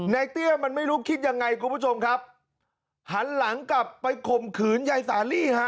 เตี้ยมันไม่รู้คิดยังไงคุณผู้ชมครับหันหลังกลับไปข่มขืนยายสาลี่ฮะ